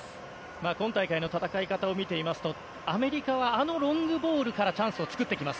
今大会の戦い方を見ていますとアメリカはあのロングボールからチャンスを作ってきます。